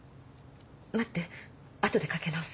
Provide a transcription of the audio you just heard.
待ってあとでかけ直す。